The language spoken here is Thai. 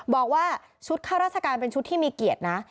บอกว่าชุดข้าราชการเป็นชุดที่มีเกียรตินะ